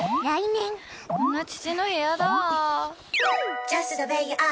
こんな父の日、やだ。